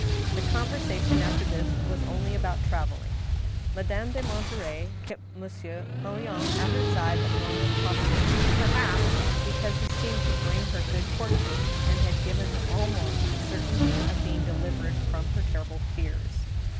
The conversation after this was only about traveling. Madame de Monterey kept Monsieur Henrion at her side as long as possible, perhaps because he seemed to bring her good fortune, and had given her almost the certainty of being delivered from her terrible fears.